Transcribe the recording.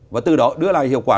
và từ đó đưa lại hiệu quả